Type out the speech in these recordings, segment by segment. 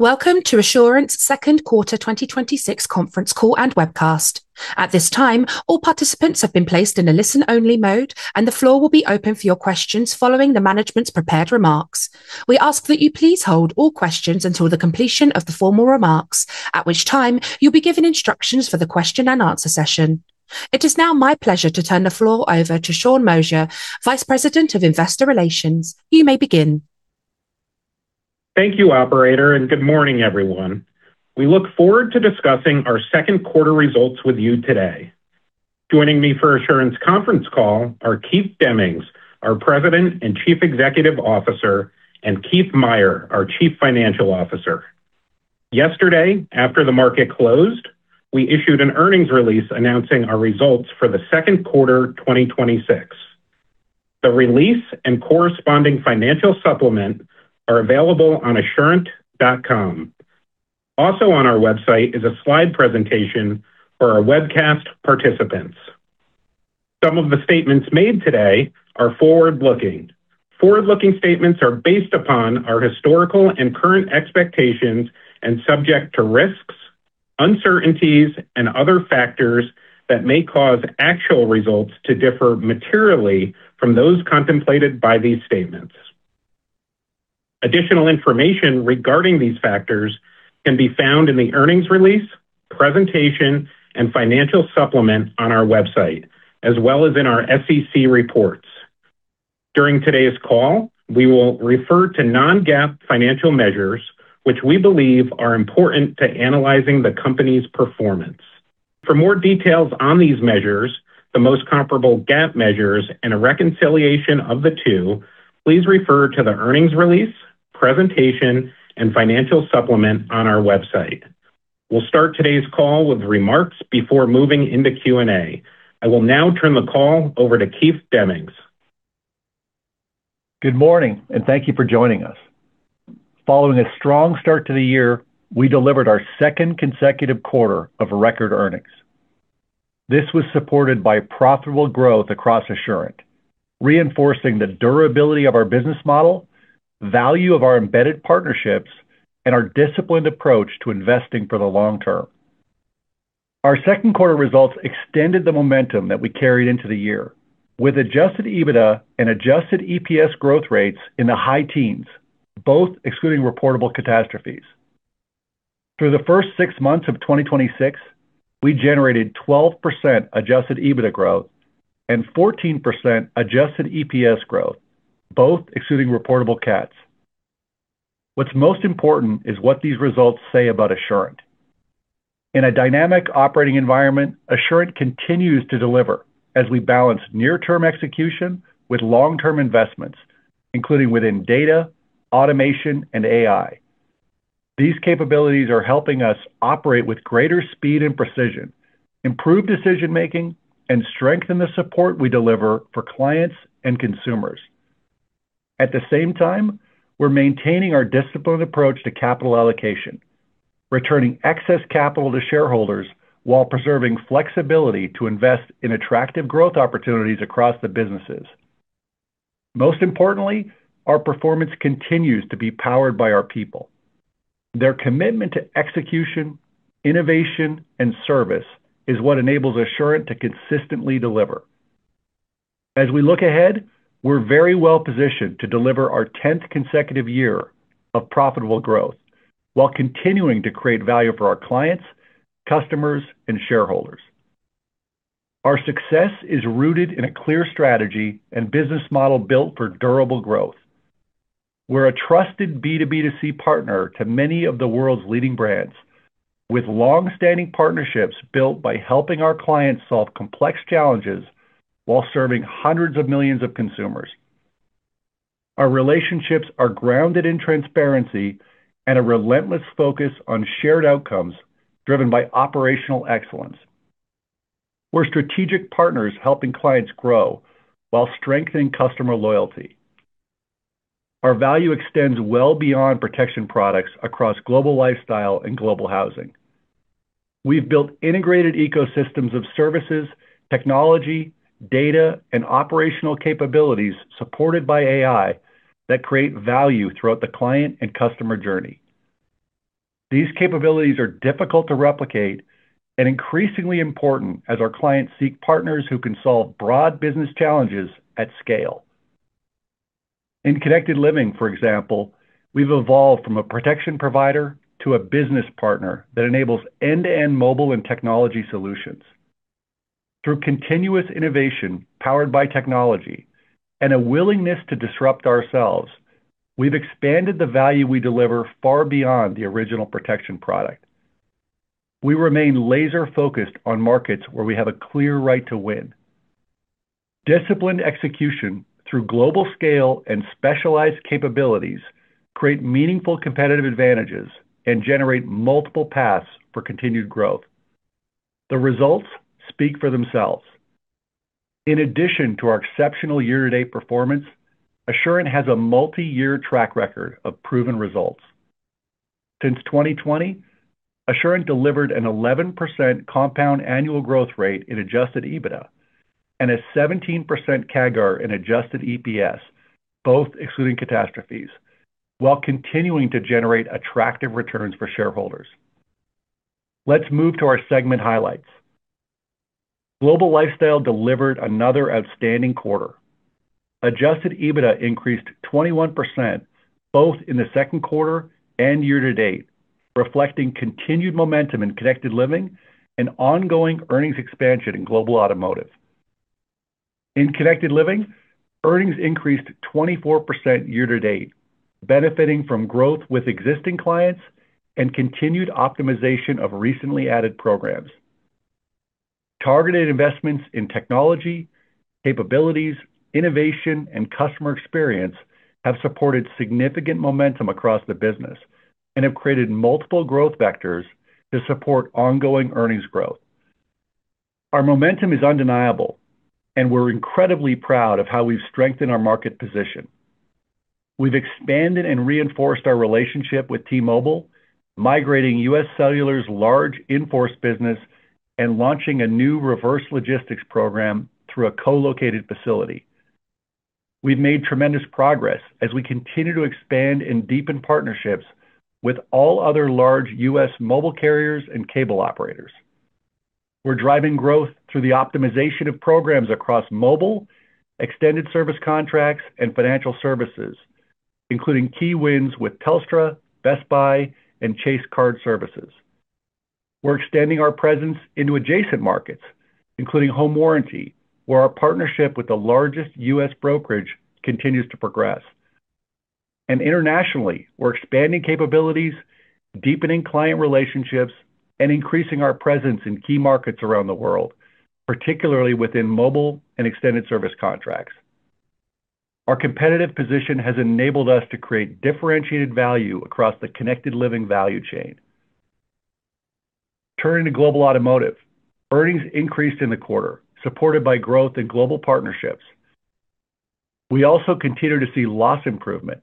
Welcome to Assurant's second quarter 2026 conference call and webcast. At this time, all participants have been placed in a listen-only mode. The floor will be open for your questions following the management's prepared remarks. We ask that you please hold all questions until the completion of the formal remarks, at which time you will be given instructions for the question-and-answer session. It is now my pleasure to turn the floor over to Sean Moshier, Vice President of Investor Relations. You may begin. Thank you, operator, and good morning, everyone. We look forward to discussing our second quarter results with you today. Joining me for Assurant's conference call are Keith Demmings, our President and Chief Executive Officer, and Keith Meier, our Chief Financial Officer. Yesterday, after the market closed, we issued an earnings release announcing our results for the second quarter 2026. The release and corresponding financial supplement are available on assurant.com. Also on our website is a slide presentation for our webcast participants. Some of the statements made today are forward-looking. Forward-looking statements are based upon our historical and current expectations and subject to risks, uncertainties, and other factors that may cause actual results to differ materially from those contemplated by these statements. Additional information regarding these factors can be found in the earnings release, presentation, and financial supplement on our website, as well as in our SEC reports. During today's call, we will refer to non-GAAP financial measures which we believe are important to analyzing the company's performance. For more details on these measures, the most comparable GAAP measures and a reconciliation of the two, please refer to the earnings release, presentation, and financial supplement on our website. We'll start today's call with remarks before moving into Q&A. I will now turn the call over to Keith Demmings. Good morning and thank you for joining us. Following a strong start to the year, we delivered our second consecutive quarter of record earnings. This was supported by profitable growth across Assurant, reinforcing the durability of our business model, value of our embedded partnerships, and our disciplined approach to investing for the long term. Our second quarter results extended the momentum that we carried into the year with adjusted EBITDA and adjusted EPS growth rates in the high teens, both excluding reportable catastrophes. Through the first six months of 2026, we generated 12% adjusted EBITDA growth and 14% adjusted EPS growth, both excluding reportable cats. What's most important is what these results say about Assurant. In a dynamic operating environment, Assurant continues to deliver as we balance near-term execution with long-term investments, including within data, automation, and AI. These capabilities are helping us operate with greater speed and precision, improve decision-making, and strengthen the support we deliver for clients and consumers. At the same time, we're maintaining our disciplined approach to capital allocation, returning excess capital to shareholders while preserving flexibility to invest in attractive growth opportunities across the businesses. Most importantly, our performance continues to be powered by our people. Their commitment to execution, innovation, and service is what enables Assurant to consistently deliver. As we look ahead, we're very well-positioned to deliver our 10th consecutive year of profitable growth while continuing to create value for our clients, customers, and shareholders. Our success is rooted in a clear strategy and business model built for durable growth. We're a trusted B2B2C partner to many of the world's leading brands. With long-standing partnerships built by helping our clients solve complex challenges while serving hundreds of millions of consumers. Our relationships are grounded in transparency and a relentless focus on shared outcomes driven by operational excellence. We're strategic partners helping clients grow while strengthening customer loyalty. Our value extends well beyond protection products across Global Lifestyle and Global Housing. We've built integrated ecosystems of services, technology, data, and operational capabilities supported by AI that create value throughout the client and customer journey. These capabilities are difficult to replicate and increasingly important as our clients seek partners who can solve broad business challenges at scale. In Connected Living, for example, we've evolved from a protection provider to a business partner that enables end-to-end mobile and technology solutions. Through continuous innovation powered by technology and a willingness to disrupt ourselves, we've expanded the value we deliver far beyond the original protection product. We remain laser-focused on markets where we have a clear right to win. Disciplined execution through global scale and specialized capabilities create meaningful competitive advantages and generate multiple paths for continued growth. The results speak for themselves. In addition to our exceptional year-to-date performance, Assurant has a multiyear track record of proven results. Since 2020, Assurant delivered an 11% compound annual growth rate in adjusted EBITDA. A 17% CAGR in adjusted EPS, both excluding catastrophes, while continuing to generate attractive returns for shareholders. Let's move to our segment highlights. Global Lifestyle delivered another outstanding quarter. Adjusted EBITDA increased 21%, both in the second quarter and year-to-date, reflecting continued momentum in Connected Living and ongoing earnings expansion in Global Automotive. In Connected Living, earnings increased 24% year-to-date, benefiting from growth with existing clients and continued optimization of recently added programs. Targeted investments in technology, capabilities, innovation, and customer experience have supported significant momentum across the business and have created multiple growth vectors to support ongoing earnings growth. Our momentum is undeniable, and we're incredibly proud of how we've strengthened our market position. We've expanded and reinforced our relationship with T-Mobile, migrating U.S. Cellular's large in-force business and launching a new reverse logistics program through a co-located facility. We've made tremendous progress as we continue to expand and deepen partnerships with all other large U.S. mobile carriers and cable operators. We're driving growth through the optimization of programs across mobile, extended service contracts, and financial services, including key wins with Telstra, Best Buy, and Chase Card Services. We're extending our presence into adjacent markets, including home warranty, where our partnership with the largest U.S. brokerage continues to progress. Internationally, we're expanding capabilities, deepening client relationships, and increasing our presence in key markets around the world, particularly within mobile and extended service contracts. Our competitive position has enabled us to create differentiated value across the Connected Living value chain. Turning to Global Automotive. Earnings increased in the quarter, supported by growth in global partnerships. We also continue to see loss improvement.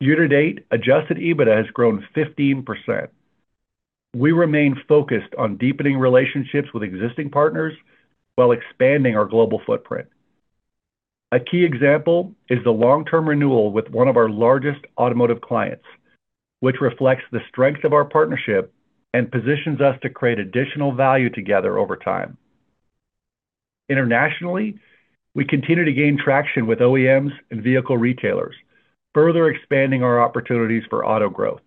Year-to-date, adjusted EBITDA has grown 15%. We remain focused on deepening relationships with existing partners while expanding our global footprint. A key example is the long-term renewal with one of our largest automotive clients, which reflects the strength of our partnership and positions us to create additional value together over time. Internationally, we continue to gain traction with OEMs and vehicle retailers, further expanding our opportunities for auto growth.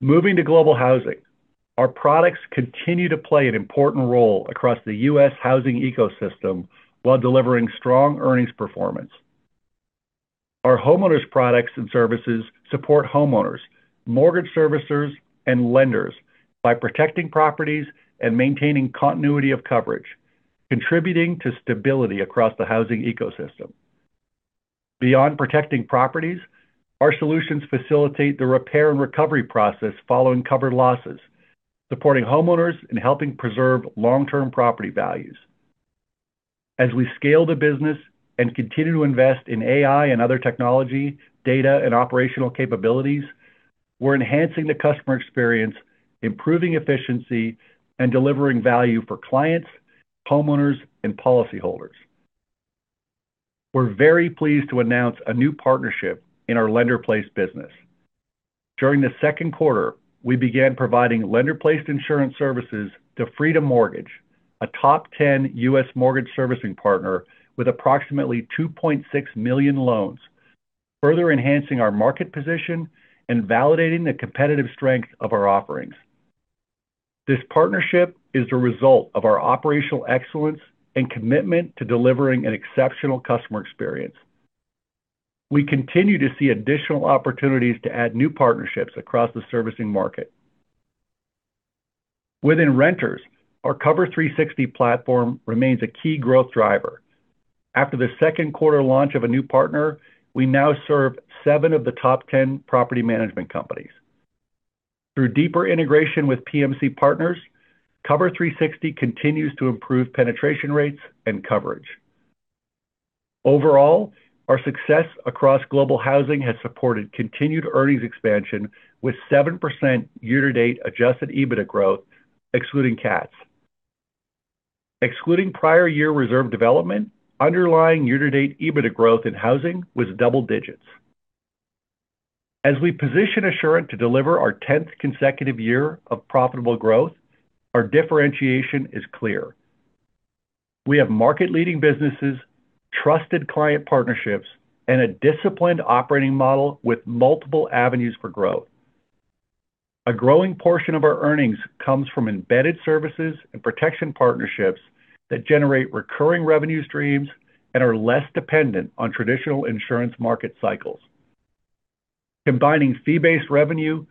Moving to Global Housing. Our products continue to play an important role across the U.S. housing ecosystem while delivering strong earnings performance. Our homeowners products and services support homeowners, mortgage servicers, and lenders by protecting properties and maintaining continuity of coverage, contributing to stability across the housing ecosystem. Beyond protecting properties, our solutions facilitate the repair and recovery process following covered losses, supporting homeowners in helping preserve long-term property values. As we scale the business and continue to invest in AI and other technology, data, and operational capabilities, we're enhancing the customer experience, improving efficiency, and delivering value for clients, homeowners, and policyholders. We're very pleased to announce a new partnership in our lender-placed business. During the second quarter, we began providing lender-placed insurance services to Freedom Mortgage, a top 10 U.S. mortgage servicing partner with approximately 2.6 million loans, further enhancing our market position and validating the competitive strength of our offerings. This partnership is the result of our operational excellence and commitment to delivering an exceptional customer experience. We continue to see additional opportunities to add new partnerships across the servicing market. Within renters, our Cover360 platform remains a key growth driver. After the second quarter launch of a new partner, we now serve seven of the top 10 property management companies. Through deeper integration with PMC Partners, Cover360 continues to improve penetration rates and coverage. Overall, our success across Global Housing has supported continued earnings expansion with 7% year-to-date adjusted EBITDA growth, excluding CATs. Excluding prior year reserve development, underlying year-to-date EBITDA growth in housing was double-digits. As we position Assurant to deliver our 10th consecutive year of profitable growth, our differentiation is clear. We have market-leading businesses, trusted client partnerships, and a disciplined operating model with multiple avenues for growth. A growing portion of our earnings comes from embedded services and protection partnerships that generate recurring revenue streams and are less dependent on traditional insurance market cycles. Combining fee-based revenue,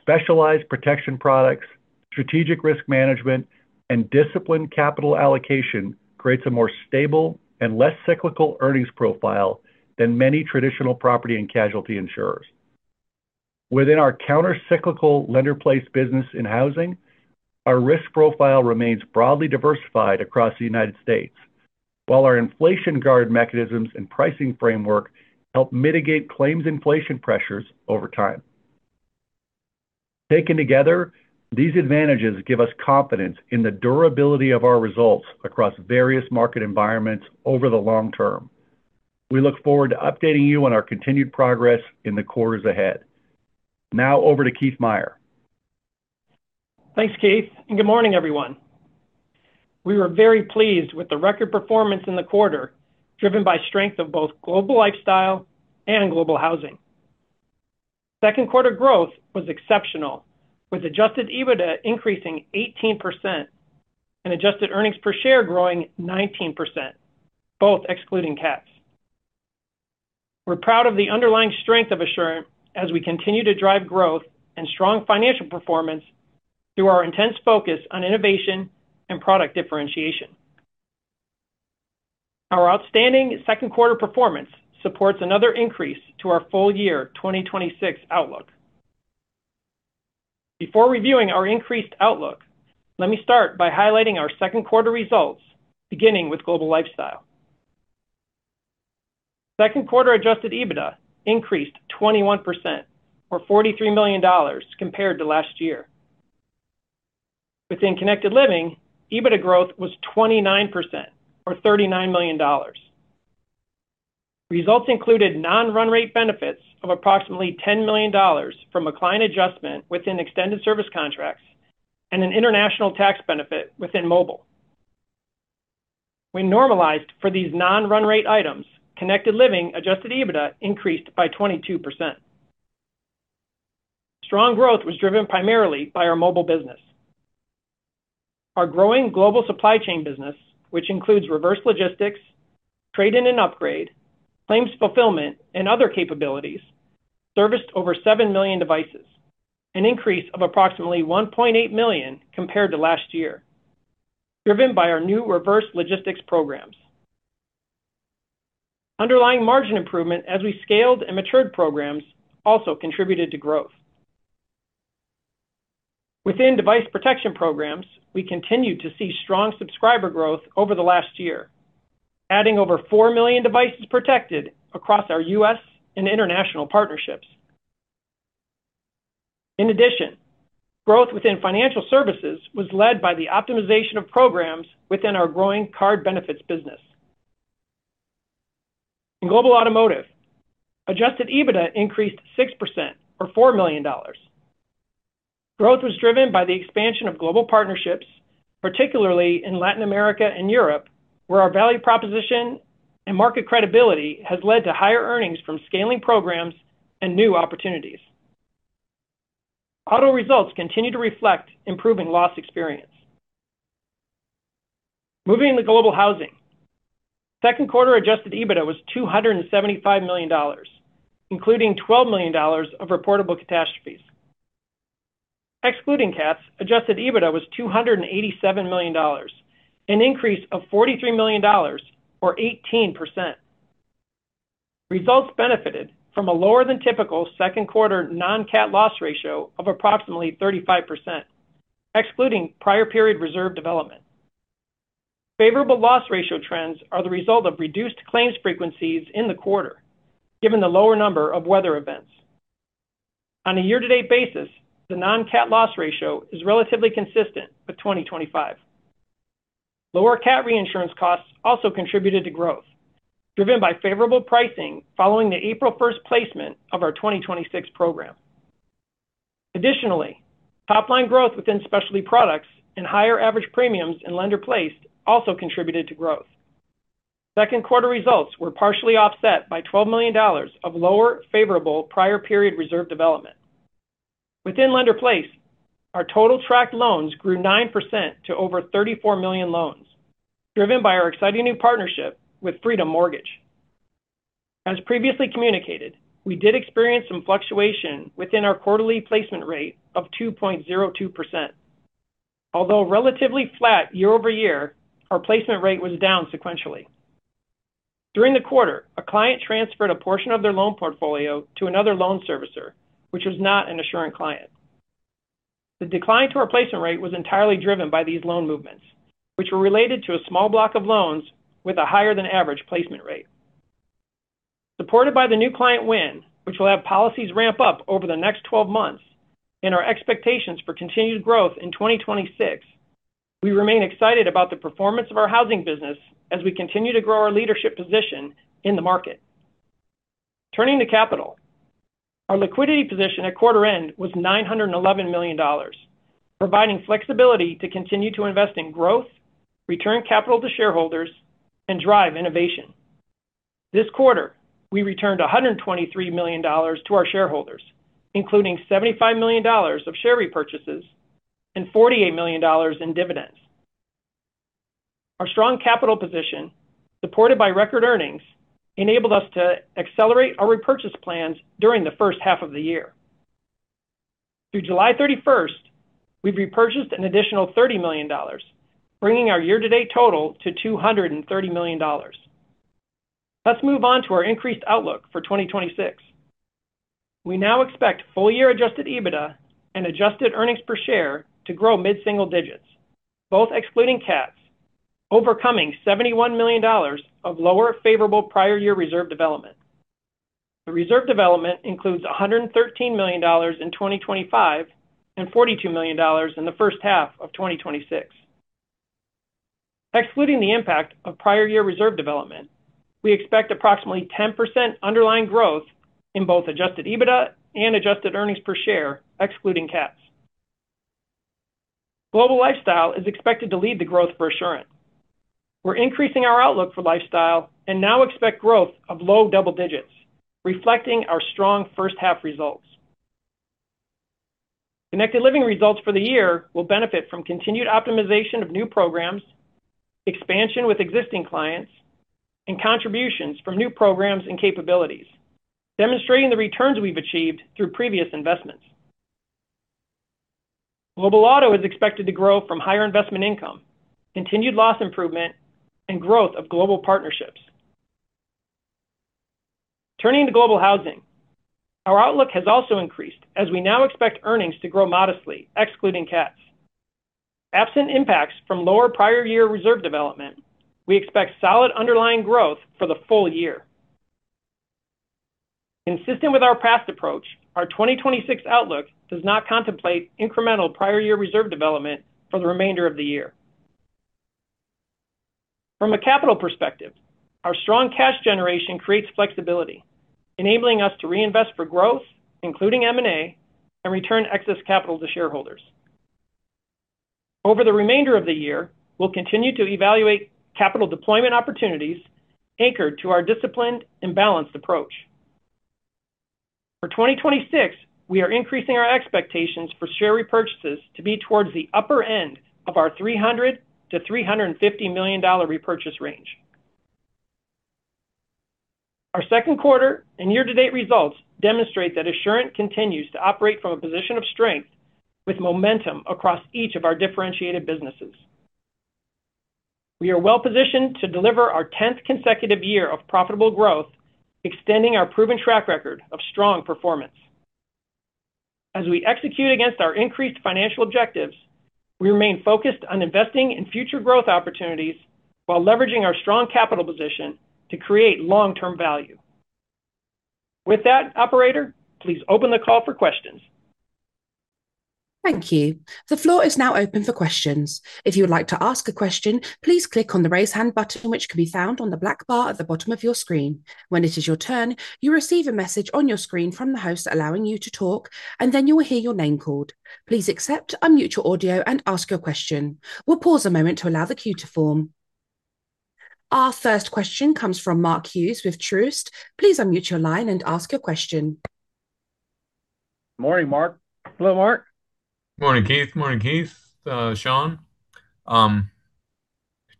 specialized protection products, strategic risk management, and disciplined capital allocation creates a more stable and less cyclical earnings profile than many traditional property and casualty insurers. Within our counter-cyclical lender-placed business in housing, our risk profile remains broadly diversified across the United States. While our inflation guard mechanisms and pricing framework help mitigate claims inflation pressures over time. Taken together, these advantages give us confidence in the durability of our results across various market environments over the long term. Now over to Keith Meier. Thanks, Keith. Good morning, everyone. We're very pleased with the record performance in the quarter, driven by strength of both Global Lifestyle and Global Housing. Second quarter growth was exceptional, with adjusted EBITDA increasing 18% and adjusted earnings per share growing 19%, both excluding cats. We're proud of the underlying strength of Assurant as we continue to drive growth and strong financial performance through our intense focus on innovation and product differentiation. Our outstanding second quarter performance supports another increase to our full-year 2026 outlook. Before reviewing our increased outlook, let me start by highlighting our second quarter results, beginning with Global Lifestyle. Second quarter adjusted EBITDA increased 21%, or $43 million compared to last year. Within Connected Living, EBITDA growth was 29%, or $39 million. Results included non-run rate benefits of approximately $10 million from a client adjustment within extended service contracts and an international tax benefit within mobile. When normalized for these non-run rate items, Connected Living Adjusted EBITDA increased by 22%. Strong growth was driven primarily by our mobile business. Our growing global supply chain business, which includes reverse logistics, trade-in and upgrade, claims fulfillment, and other capabilities, serviced over 7 million devices, an increase of approximately 1.8 million compared to last year, driven by our new reverse logistics programs. Underlying margin improvement as we scaled and matured programs also contributed to growth. Within device protection programs, we continued to see strong subscriber growth over the last year, adding over 4 million devices protected across our U.S. and international partnerships. Growth within financial services was led by the optimization of programs within our growing card benefits business. Global Automotive adjusted EBITDA increased 6%, or $4 million. Growth was driven by the expansion of global partnerships, particularly in Latin America and Europe, where our value proposition and market credibility has led to higher earnings from scaling programs and new opportunities. Auto results continue to reflect improving loss experience. Moving into Global Housing, second quarter adjusted EBITDA was $275 million, including $12 million of reportable catastrophes. Excluding cats, adjusted EBITDA was $287 million, an increase of $43 million, or 18%. Results benefited from a lower than typical second quarter non-cat loss ratio of approximately 35%, excluding prior period reserve development. Favorable loss ratio trends are the result of reduced claims frequencies in the quarter, given the lower number of weather events. On a year-to-date basis, the non-cat loss ratio is relatively consistent with 2025. Lower cat reinsurance costs also contributed to growth, driven by favorable pricing following the April 1st placement of our 2026 program. Top-line growth within specialty products and higher average premiums in lender-placed also contributed to growth. Second quarter results were partially offset by $12 million of lower favorable prior period reserve development. Within lender-placed, our total tracked loans grew 9% to over 34 million loans, driven by our exciting new partnership with Freedom Mortgage. As previously communicated, we did experience some fluctuation within our quarterly placement rate of 2.02%. Although relatively flat year-over-year, our placement rate was down sequentially. During the quarter, a client transferred a portion of their loan portfolio to another loan servicer, which was not an Assurant client. The decline to our placement rate was entirely driven by these loan movements, which were related to a small block of loans with a higher than average placement rate. Supported by the new client win, which will have policies ramp-up over the next 12 months, and our expectations for continued growth in 2026, we remain excited about the performance of our Housing business as we continue to grow our leadership position in the market. Turning to capital, our liquidity position at quarter end was $911 million, providing flexibility to continue to invest in growth, return capital to shareholders, and drive innovation. This quarter, we returned $123 million to our shareholders, including $75 million of share repurchases and $48 million in dividends. Our strong capital position, supported by record earnings, enabled us to accelerate our repurchase plans during the first half of the year. Through July 31st, we've repurchased an additional $30 million, bringing our year-to-date total to $230 million. Let's move on to our increased outlook for 2026. We now expect full-year adjusted EBITDA and adjusted earnings per share to grow mid-single-digits, both excluding cats. Overcoming $71 million of lower favorable prior year reserve development. The reserve development includes $113 million in 2025 and $42 million in the first half of 2026. Excluding the impact of prior year reserve development, we expect approximately 10% underlying growth in both adjusted EBITDA and adjusted earnings per share, excluding cats. Global Lifestyle is expected to lead the growth for Assurant. We're increasing our outlook for Lifestyle and now expect growth of low-double-digits, reflecting our strong first half results. Connected Living results for the year will benefit from continued optimization of new programs, expansion with existing clients, and contributions from new programs and capabilities, demonstrating the returns we've achieved through previous investments. Global Auto is expected to grow from higher investment income, continued loss improvement, and growth of global partnerships. Turning to Global Housing, our outlook has also increased as we now expect earnings to grow modestly, excluding cats. Absent impacts from lower prior year reserve development, we expect solid underlying growth for the full-year. Consistent with our past approach, our 2026 outlook does not contemplate incremental prior year reserve development for the remainder of the year. From a capital perspective, our strong cash generation creates flexibility, enabling us to reinvest for growth, including M&A, and return excess capital to shareholders. Over the remainder of the year, we'll continue to evaluate capital deployment opportunities anchored to our disciplined and balanced approach. For 2026, we are increasing our expectations for share repurchases to be towards the upper-end of our $300 million-$350 million repurchase range. Our second quarter and year-to-date results demonstrate that Assurant continues to operate from a position of strength with momentum across each of our differentiated businesses. We are well-positioned to deliver our 10th consecutive year of profitable growth, extending our proven track record of strong performance. As we execute against our increased financial objectives, we remain focused on investing in future growth opportunities while leveraging our strong capital position to create long-term value. With that, operator, please open the call for questions. Thank you. The floor is now open for questions. If you would like to ask a question, please click on the Raise Hand button, which can be found on the black bar at the bottom of your screen. When it is your turn, you will receive a message on your screen from the host allowing you to talk, and then you will hear your name called. Please accept, unmute your audio and ask your question. We will pause a moment to allow the queue to form. Our first question comes from Mark Hughes with Truist. Please unmute your line and ask your question. Morning, Mark. Hello, Mark. Morning, Keith. Morning, Keith, Sean.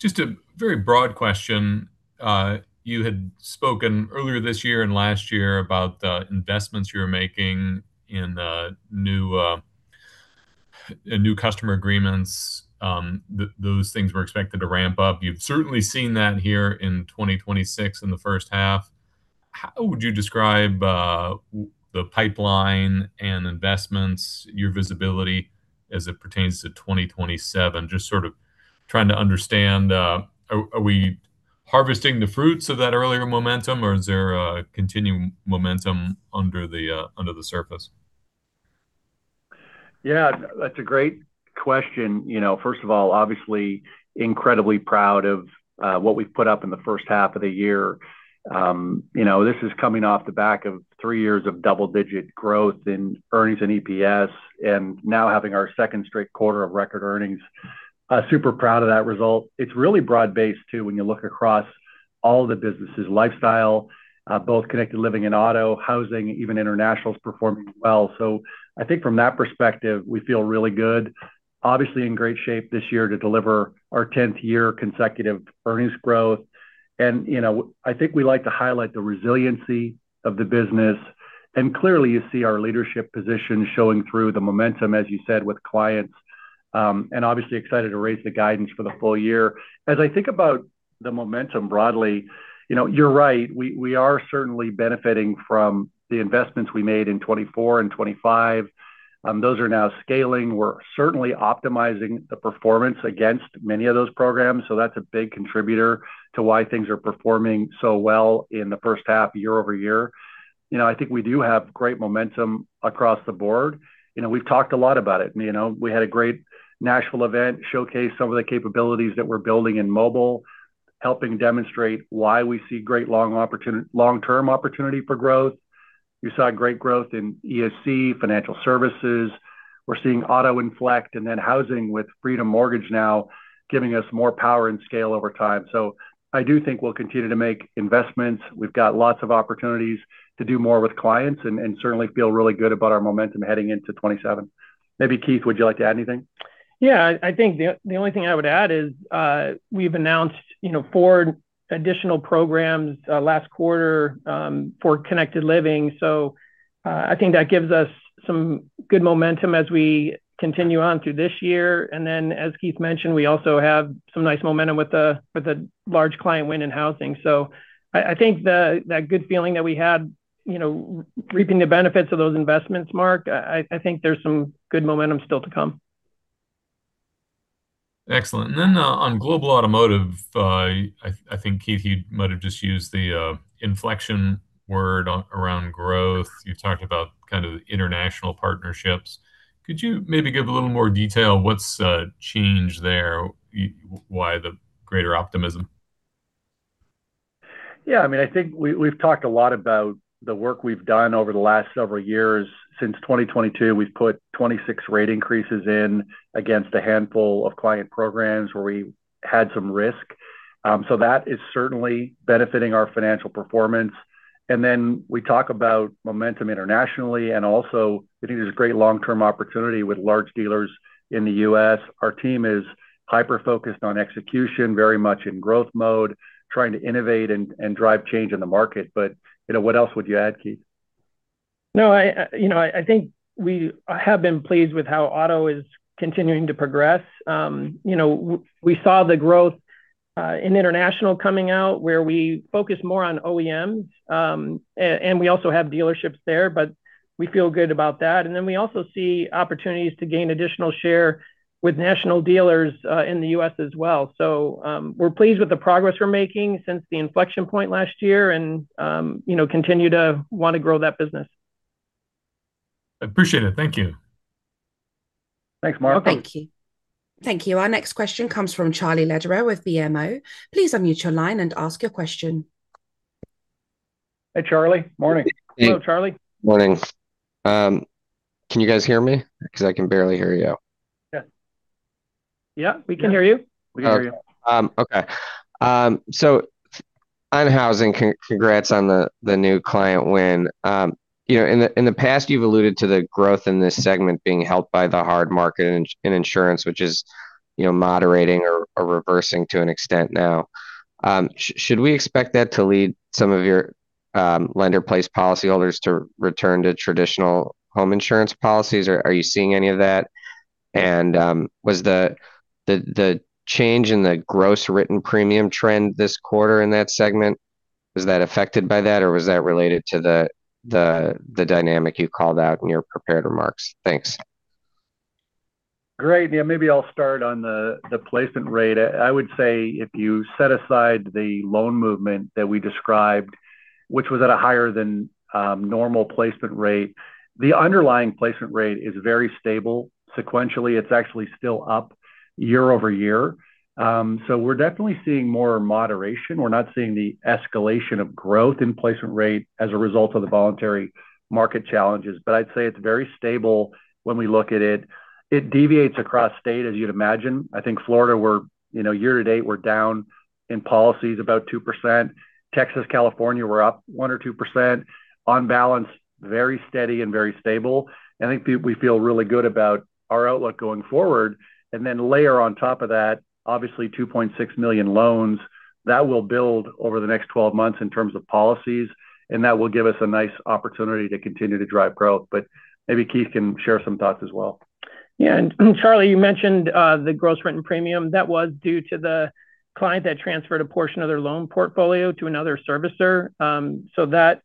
Just a very broad question. You had spoken earlier this year and last year about the investments you were making in new customer agreements. Those things were expected to ramp-up. You have certainly seen that here in 2026 in the first half. How would you describe the pipeline and investments, your visibility as it pertains to 2027? Just sort of trying to understand, are we harvesting the fruits of that earlier momentum, or is there a continuing momentum under the surface? Yeah, that's a great question. First of all, obviously incredibly proud of what we've put up in the first half of the year. This is coming off the back of three years of double-digit growth in earnings and EPS, and now having our second straight quarter of record earnings. Super proud of that result. It's really broad-based too, when you look across all the businesses, Lifestyle, both Connected Living and Auto, Housing, even international is performing well. I think from that perspective, we feel really good. Obviously in great shape this year to deliver our 10th year consecutive earnings growth. Clearly you see our leadership position showing through the momentum, as you said, with clients. Obviously excited to raise the guidance for the full-year. As I think about the momentum broadly, you're right, we are certainly benefiting from the investments we made in 2024 and 2025. Those are now scaling. We're certainly optimizing the performance against many of those programs, that's a big contributor to why things are performing so well in the first half year-over-year. I think we do have great momentum across the board. We've talked a lot about it. We had a great Nashville event, showcased some of the capabilities that we're building in mobile, helping demonstrate why we see great long-term opportunity for growth. You saw great growth in ESC, financial services. We're seeing auto inflect and then Housing with Freedom Mortgage now giving us more power and scale over time. I do think we'll continue to make investments. We've got lots of opportunities to do more with clients and certainly feel really good about our momentum heading into 2027. Maybe, Keith, would you like to add anything? Yeah, I think the only thing I would add is, we've announced four additional programs last quarter for Connected Living. I think that gives us some good momentum as we continue on through this year. As Keith mentioned, we also have some nice momentum with the large client win in Housing. I think that good feeling that we had reaping the benefits of those investments, Mark. I think there's some good momentum still to come. Excellent. On Global Automotive, I think Keith, you might have just used the inflection word around growth. You've talked about kind of international partnerships. Could you maybe give a little more detail? What's changed there? Why the greater optimism? Yeah, I think we've talked a lot about the work we've done over the last several years. Since 2022, we've put 26 rate increases in against a handful of client programs where we had some risk. That is certainly benefiting our financial performance. We talk about momentum internationally, and also we think there's great long-term opportunity with large dealers in the U.S. Our team is hyper-focused on execution, very much in growth mode, trying to innovate and drive change in the market. What else would you add, Keith? No, I think we have been pleased with how Auto is continuing to progress. We saw the growth in international coming out, where we focus more on OEMs, and we also have dealerships there, but we feel good about that. We also see opportunities to gain additional share with national dealers in the U.S. as well. We're pleased with the progress we're making since the inflection point last year and continue to want to grow that business. Appreciate it. Thank you. Thanks, Mark. Thank you. Our next question comes from Charlie Lederer with BMO. Please unmute your line and ask your question. Hey, Charlie. Morning. Hello, Charlie. Morning. Can you guys hear me? Because I can barely hear you. Yeah. Yeah, we can hear you. We can hear you. Okay. On Housing, congrats on the new client win. In the past, you've alluded to the growth in this segment being helped by the hard market in insurance, which is moderating or reversing to an extent now. Should we expect that to lead some of your lender-placed policyholders to return to traditional home insurance policies? Are you seeing any of that? And was the change in the gross written premium trend this quarter in that segment, was that affected by that, or was that related to the dynamic you called out in your prepared remarks? Thanks. Maybe I'll start on the placement rate. I would say if you set aside the loan movement that we described, which was at a higher than normal placement rate, the underlying placement rate is very stable. Sequentially, it's actually still up year-over-year. We're definitely seeing more moderation. We're not seeing the escalation of growth in placement rate as a result of the voluntary market challenges. I'd say it's very stable when we look at it. It deviates across state, as you'd imagine. I think Florida, year-to-date, we're down in policies about 2%. Texas, California, we're up 1% or 2%. On balance, very steady and very stable, and I think we feel really good about our outlook going forward. Then layer on top of that, obviously, $2.6 million loans that will build over the next 12 months in terms of policies, that will give us a nice opportunity to continue to drive growth. Maybe Keith can share some thoughts as well. Charlie, you mentioned the gross written premium. That was due to the client that transferred a portion of their loan portfolio to another servicer. That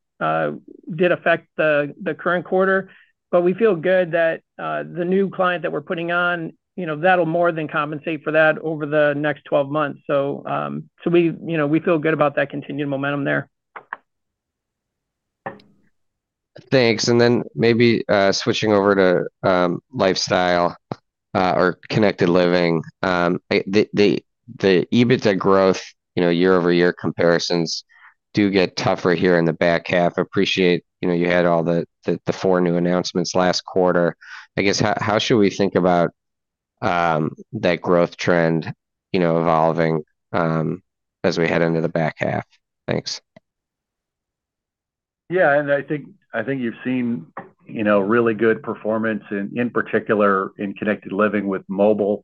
did affect the current quarter. We feel good that the new client that we're putting on, that'll more than compensate for that over the next 12 months. We feel good about that continued momentum there. Thanks. Then maybe switching over to Lifestyle or Connected Living. The EBITDA growth year-over-year comparisons do get tougher here in the back half. I appreciate you had all the four new announcements last quarter. How should we think about that growth trend evolving as we head into the back half? Thanks. I think you've seen really good performance in particular in Connected Living with mobile.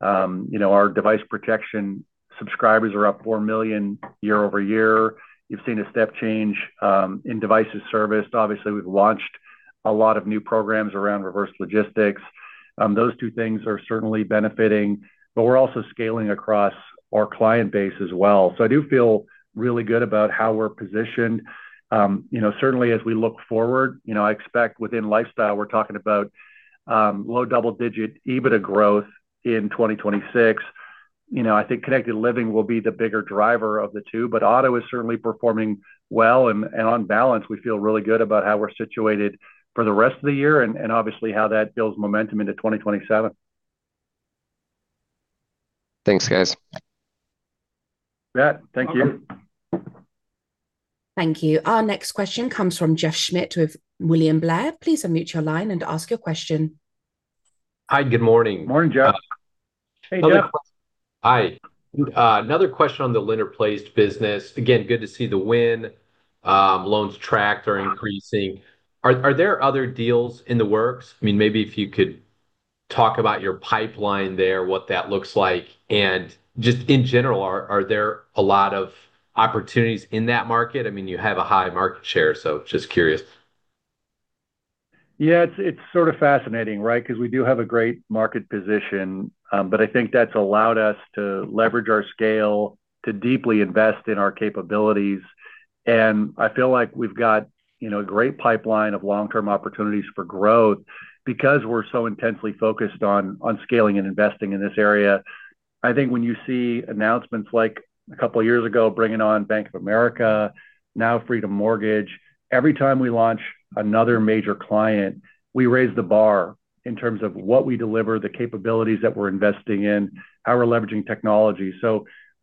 Our device protection subscribers are up 4 million year-over-year. You've seen a step change in devices serviced. Obviously, we've launched a lot of new programs around reverse logistics. Those two things are certainly benefiting, we're also scaling across our client base as well. I do feel really good about how we're positioned. Certainly, as we look forward, I expect within Lifestyle, we're talking about low-double-digit EBITDA growth in 2026. I think Connected Living will be the bigger driver of the two, Auto is certainly performing well, and on balance, we feel really good about how we're situated for the rest of the year and obviously how that builds momentum into 2027. Thanks, guys. With that, thank you. Thank you. Our next question comes from Jeff Schmitt with William Blair. Please unmute your line and ask your question. Hi, good morning. Morning, Jeff. Hey, Jeff. Hi. Another question on the lender-placed business. Again, good to see the win. Loans tracked are increasing. Are there other deals in the works? Maybe if you could talk about your pipeline there, what that looks like. Just in general, are there a lot of opportunities in that market? You have a high market share, so just curious. Yeah, it's sort of fascinating, right? We do have a great market position. I think that's allowed us to leverage our scale to deeply invest in our capabilities. I feel like we've got a great pipeline of long-term opportunities for growth because we're so intensely focused on scaling and investing in this area. I think when you see announcements like a couple of years ago, bringing on Bank of America, now Freedom Mortgage, every time we launch another major client, we raise the bar in terms of what we deliver, the capabilities that we're investing in, how we're leveraging technology.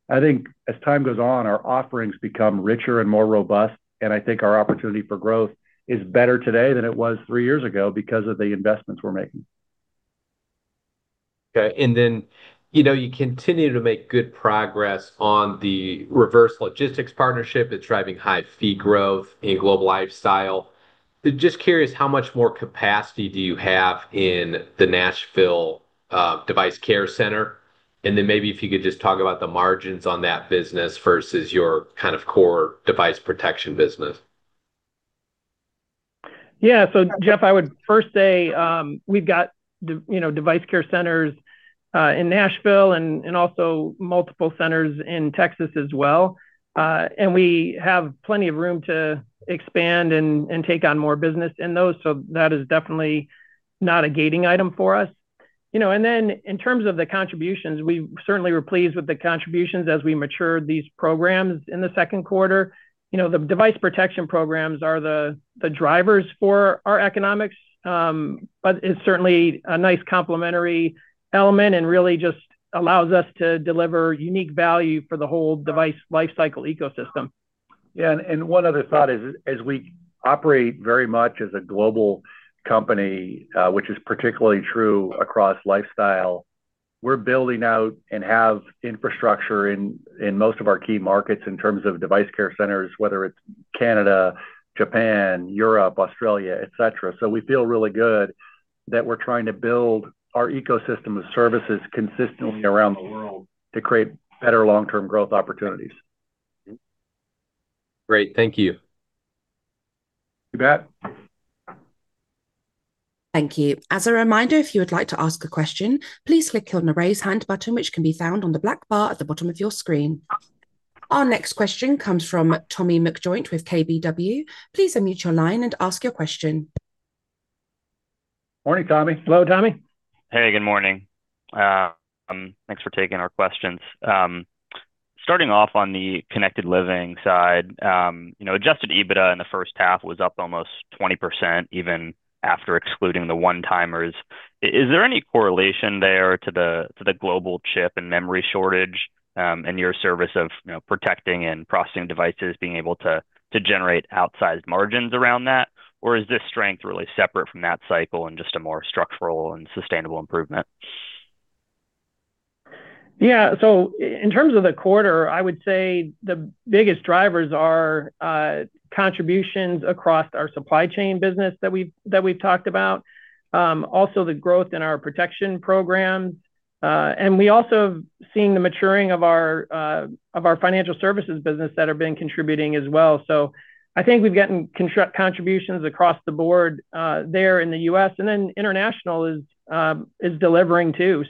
I think as time goes on, our offerings become richer and more robust, and I think our opportunity for growth is better today than it was three years ago because of the investments we're making. You continue to make good progress on the reverse logistics partnership that's driving high fee growth in Global Lifestyle. Just curious, how much more capacity do you have in the Nashville Device Care Center? Maybe if you could just talk about the margins on that business versus your core device protection business. Jeff, I would first say, we've got Device Care Centers in Nashville and also multiple centers in Texas as well. We have plenty of room to expand and take on more business in those. That is definitely not a gating item for us. In terms of the contributions, we certainly were pleased with the contributions as we matured these programs in the second quarter. The device protection programs are the drivers for our economics, but it's certainly a nice complementary element and really just allows us to deliver unique value for the whole device lifecycle ecosystem. One other thought is, as we operate very much as a global company, which is particularly true across Lifestyle, we're building out and have infrastructure in most of our key markets in terms of Device Care Centers, whether it's Canada, Japan, Europe, Australia, et cetera. We feel really good that we're trying to build our ecosystem of services consistently around the world to create better long-term growth opportunities. Great. Thank you. You bet. Thank you. As a reminder, if you would like to ask a question, please click on the Raise Hand button, which can be found on the black bar at the bottom of your screen. Our next question comes from Tommy McJoynt with KBW. Please unmute your line and ask your question. Morning, Tommy. Hello, Tommy. Hey, good morning. Thanks for taking our questions. Starting off on the Connected Living side. Adjusted EBITDA in the first half was up almost 20%, even after excluding the one-timers. Is there any correlation there to the global chip and memory shortage, and your service of protecting and processing devices, being able to generate outsized margins around that? Or is this strength really separate from that cycle and just a more structural and sustainable improvement? Yeah. In terms of the quarter, I would say the biggest drivers are contributions across our supply chain business that we've talked about. Also, the growth in our protection programs. We also have seen the maturing of our financial services business that have been contributing as well. I think we've gotten contributions across the board there in the U.S., and then international is delivering too.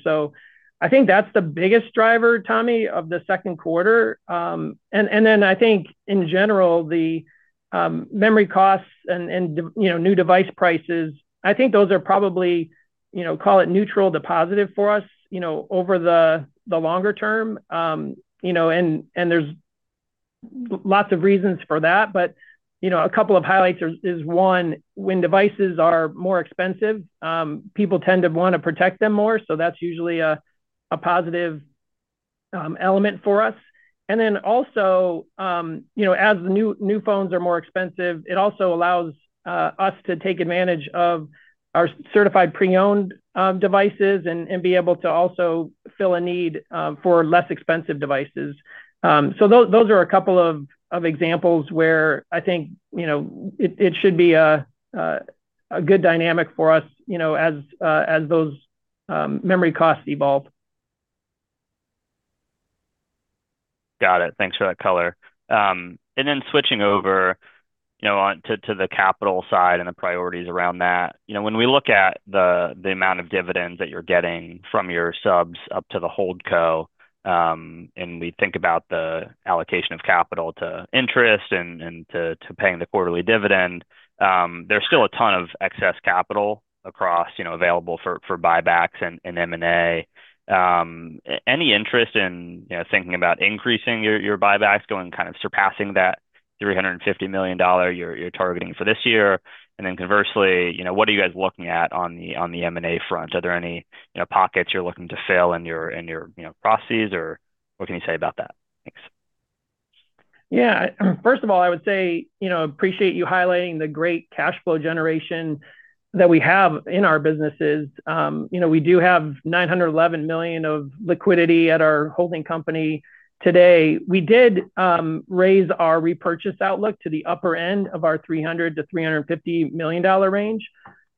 I think that's the biggest driver, Tommy, of the second quarter. I think in general, the memory costs and new device prices, I think those are probably call it neutral to positive for us over the longer term. There's lots of reasons for that. A couple of highlights is one, when devices are more expensive, people tend to want to protect them more. That's usually a positive element for us. Also, as new phones are more expensive, it also allows us to take advantage of our certified pre-owned devices and be able to also fill a need for less expensive devices. Those are a couple of examples where I think it should be a good dynamic for us as those memory costs evolve. Got it. Thanks for that color. Switching over to the capital side and the priorities around that. When we look at the amount of dividends that you're getting from your subs up to the HoldCo, and we think about the allocation of capital to interest and to paying the quarterly dividend, there's still a ton of excess capital across available for buybacks and M&A. Any interest in thinking about increasing your buybacks, going surpassing that $350 million you're targeting for this year? Conversely, what are you guys looking at on the M&A front? Are there any pockets you're looking to fill in your proceeds, or what can you say about that? Thanks. Yeah. First of all, I would say, appreciate you highlighting the great cash flow generation that we have in our businesses. We do have $911 million of liquidity at our holding company today. We did raise our repurchase outlook to the upper end of our $300 million-$350 million range.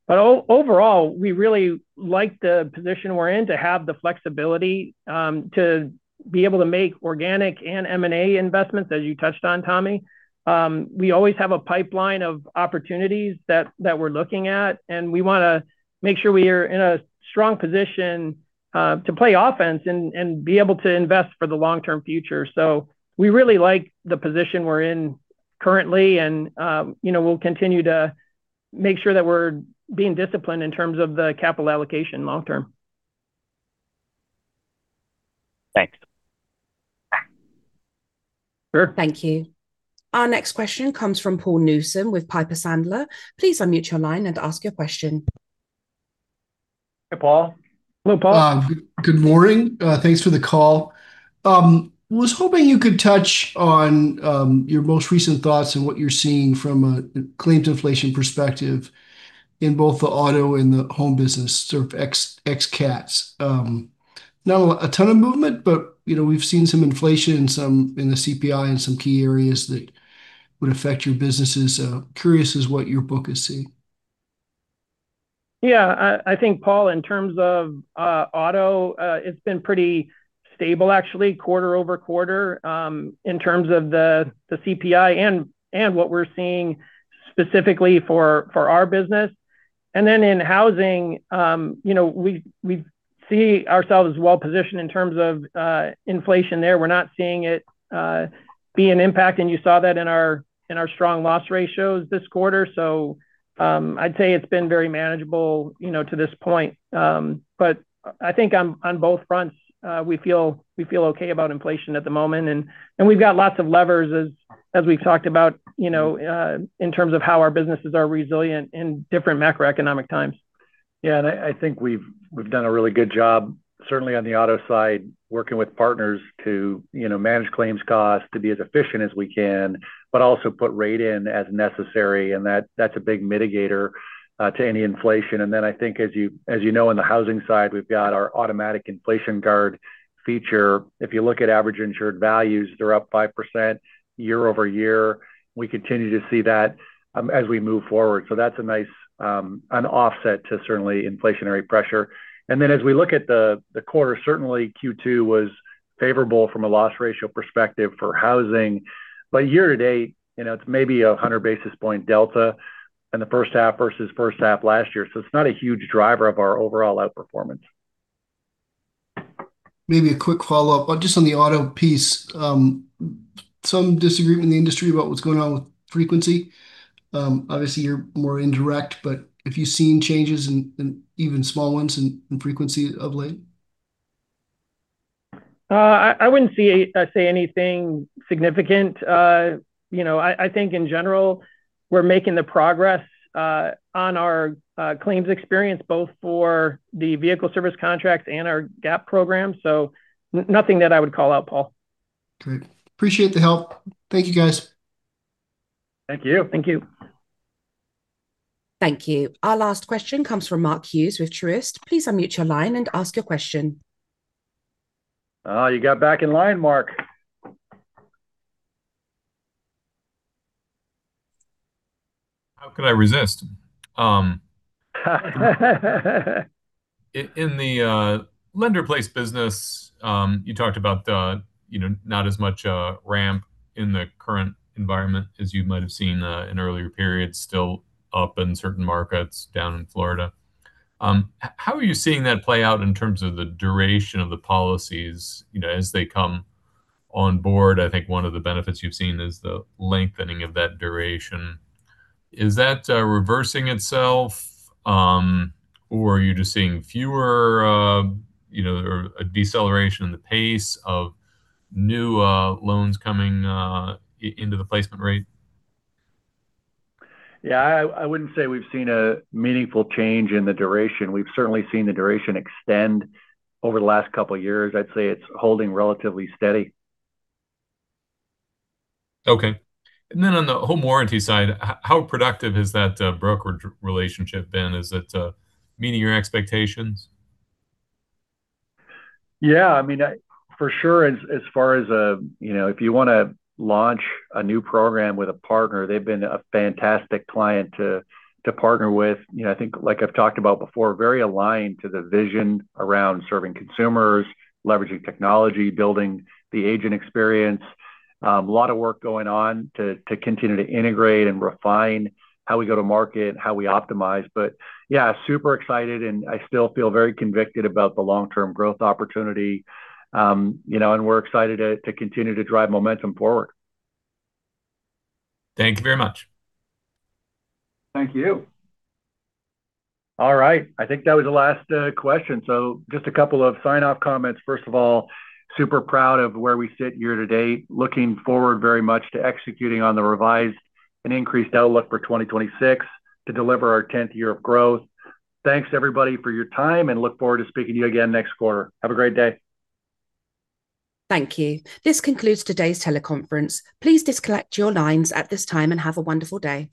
Overall, we really like the position we're in to have the flexibility to be able to make organic and M&A investments, as you touched on, Tommy. We always have a pipeline of opportunities that we're looking at, we want to make sure we are in a strong position to play offense and be able to invest for the long-term future. We really like the position we're in currently, we'll continue to make sure that we're being disciplined in terms of the capital allocation long-term. Thanks. Sure. Thank you. Our next question comes from Paul Newsome with Piper Sandler. Please unmute your line and ask your question. Hey, Paul. Hello, Paul. Good morning. Thanks for the call. Was hoping you could touch on your most recent thoughts on what you're seeing from a claims inflation perspective in both the auto and the home business, sort of ex cats. Not a ton of movement but we've seen some inflation in the CPI in some key areas that would affect your businesses. Curious as what your book is seeing. Yeah, I think, Paul, in terms of Auto, it's been pretty stable actually, quarter-over-quarter, in terms of the CPI and what we're seeing specifically for our business. In housing, we see ourselves well-positioned in terms of inflation there. We're not seeing it be an impact, and you saw that in our strong loss ratios this quarter. I'd say it's been very manageable to this point. I think on both fronts, we feel okay about inflation at the moment. We've got lots of levers, as we've talked about, in terms of how our businesses are resilient in different macroeconomic times. Yeah, I think we've done a really good job, certainly on the auto side, working with partners to manage claims costs, to be as efficient as we can, but also put rate in as necessary, and that's a big mitigator to any inflation. I think, as you know, in the housing side, we've got our automatic inflation guard feature. If you look at average insured values, they're up 5% year-over-year. We continue to see that as we move forward. That's a nice offset to certainly inflationary pressure. As we look at the quarter, certainly Q2 was favorable from a loss ratio perspective for housing. Year-to-date, it's maybe 100 basis point delta in the first half versus first half last year. It's not a huge driver of our overall outperformance. Maybe a quick follow-up, just on the auto piece. Some disagreement in the industry about what's going on with frequency. Obviously, you're more indirect, but have you seen changes in, even small ones, in frequency of late? I wouldn't say anything significant. I think in general, we're making the progress on our claims experience, both for the vehicle service contracts and our GAP program. Nothing that I would call out, Paul. Good. Appreciate the help. Thank you, guys. Thank you. Thank you. Thank you. Our last question comes from Mark Hughes with Truist. Please unmute your line and ask your question. Oh, you got back in line, Mark. How could I resist? In the lender-placed business, you talked about not as much a ramp in the current environment as you might have seen in earlier periods, still up in certain markets down in Florida. How are you seeing that play out in terms of the duration of the policies as they come on board? I think one of the benefits you've seen is the lengthening of that duration. Is that reversing itself? Are you just seeing fewer, or a deceleration in the pace of new loans coming into the placement rate? Yeah, I wouldn't say we've seen a meaningful change in the duration. We've certainly seen the duration extend over the last couple of years. I'd say it's holding relatively steady. Okay. Then on the home warranty side, how productive has that brokerage relationship been? Is it meeting your expectations? Yeah, for sure. If you want to launch a new program with a partner, they've been a fantastic client to partner with. I think, like I've talked about before, very aligned to the vision around serving consumers, leveraging technology, building the agent experience. A lot of work going on to continue to integrate and refine how we go to market, how we optimize. Yeah, super excited, and I still feel very convicted about the long-term growth opportunity. We're excited to continue to drive momentum forward. Thank you very much. Thank you. All right. I think that was the last question, so just a couple of sign-off comments. First of all, super proud of where we sit year-to-date. Looking forward very much to executing on the revised and increased outlook for 2026 to deliver our 10th year of growth. Thanks everybody for your time, and look forward to speaking to you again next quarter. Have a great day. Thank you. This concludes today's teleconference. Please disconnect your lines at this time, and have a wonderful day.